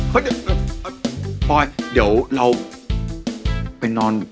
เฮ้ยปุ๊ยเดี๋ยวเราไปนอน